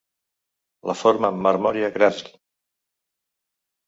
La forma "marmorea" Grasl.